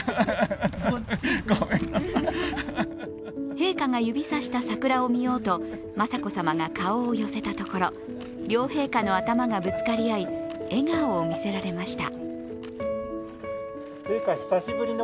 陛下が指さした桜を見ようと雅子さまが顔を寄せたところ両陛下の頭がぶつかり合い笑顔を見せられました。